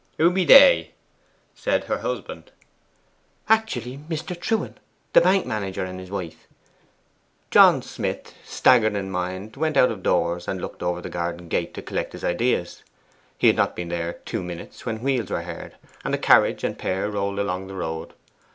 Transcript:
'Who be they?' said her husband. 'Actually Mr. Trewen, the bank manager, and his wife.' John Smith, staggered in mind, went out of doors and looked over the garden gate, to collect his ideas. He had not been there two minutes when wheels were heard, and a carriage and pair rolled along the road.